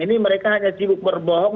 ini mereka hanya sibuk berbohong